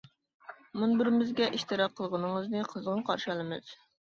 مۇنبىرىمىزگە ئىشتىراك قىلغىنىڭىزنى قىزغىن قارىشى ئالىمىز.